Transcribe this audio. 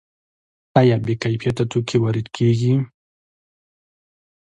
آیا بې کیفیته توکي وارد کیږي؟